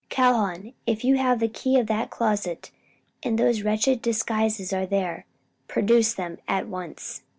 "Calhoun, if you have the key of that closet and those wretched disguises are there, produce them at once."